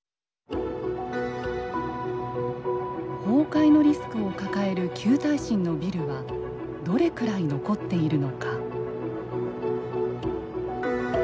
崩壊のリスクを抱える旧耐震のビルはどれくらい残っているのか。